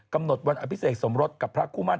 กำหนดวันอภิเษกสมรสกับพระคู่มั่น